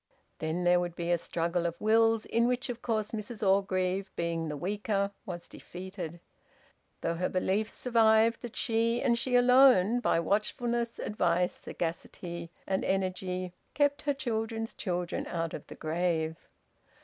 Then there would be a struggle of wills, in which of course Mrs Orgreave, being the weaker, was defeated; though her belief survived that she and she alone, by watchfulness, advice, sagacity, and energy, kept her children's children out of the grave.